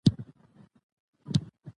سوم د نخښهلرلو صفت دئ.